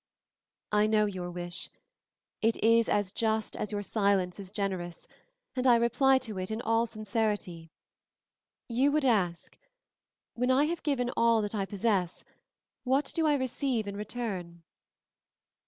"I know your wish; it is as just as your silence is generous, and I reply to it in all sincerity. You would ask, 'When I have given all that I possess, what do I receive in return?'